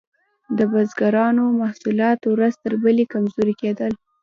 د بزګرانو محصولات ورځ تر بلې کمزوري کیدل.